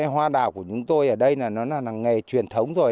hoa đào của chúng tôi ở đây là nghề truyền thống rồi